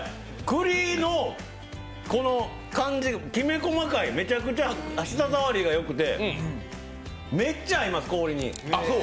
くりの感じ、きめ細かい、めちゃくちゃ舌触りがよくてめっちゃ合います、氷に。